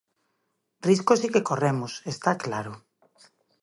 Risco si que corremos, está claro.